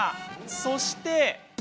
そして。